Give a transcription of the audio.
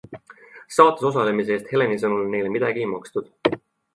Saates osalemise eest Heleni sõnul neile midagi ei makstud.